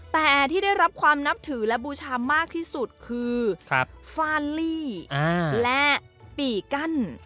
แต่ที่ได้รับความนับถือและบูชามากที่สุดคือฟาลี่และปีกั้น